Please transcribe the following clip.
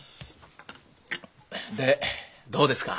でどうですか？